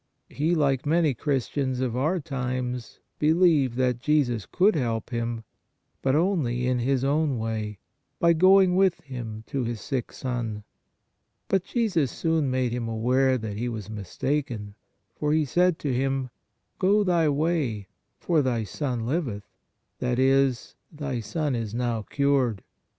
He, like many Christians of our times, believed that Jesus could help him, but only in his own way, by going with him to his sick son. But Jesus soon made him aware that he was mistaken, for He said to him :" Go thy way, for thy son liveth," that is, thy son is now cured.